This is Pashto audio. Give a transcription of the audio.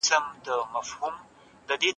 که خپلوان وي نو اړیکه نه پرې کیږي.